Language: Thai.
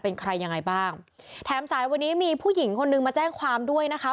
เป็นใครยังไงบ้างแถมสายวันนี้มีผู้หญิงคนนึงมาแจ้งความด้วยนะคะ